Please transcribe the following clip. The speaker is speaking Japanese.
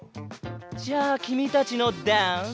じゃあきみたちのダンス。